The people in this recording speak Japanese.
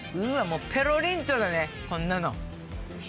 もうペロリンチョだね、こんなの。